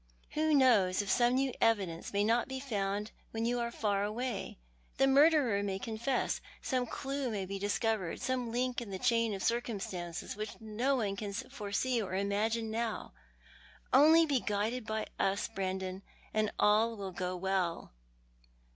"Who knows if some new evidence may not be found, when you are far away. The murderer may confess; some clue may be discovered, some link in the chain of circumstances which no one can foresee or imagine now. Only be guided by us, Brandon, and all will go well."